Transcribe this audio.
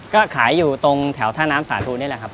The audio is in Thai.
ก็ขายอยู่ตรงแถวท่าน้ำสาธุนี่แหละครับ